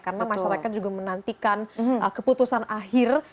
karena masyarakat juga menantikan keputusan akhir